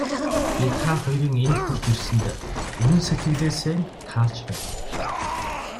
Би та хоёрын энд хүрч ирсэнд үнэн сэтгэлээсээ таалж байна.